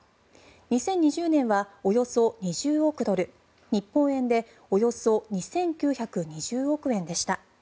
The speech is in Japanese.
２０２０年はおよそ２０億ドル日本円でおよそ２９２０億円でした。